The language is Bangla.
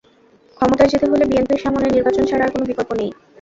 ক্ষমতায় যেতে হলে বিএনপির সামনে নির্বাচন ছাড়া আর কোনো বিকল্প নেই।